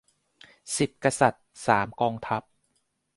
สิบกษัตริย์ สามกองทัพ